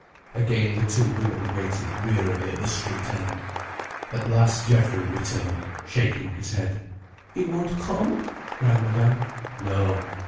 Again the two women waited wearily at the street end. At last Geoffrey returned, shaking his head. "He won't come?" cried Madame. "No."